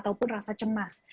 atau pun rasa cemas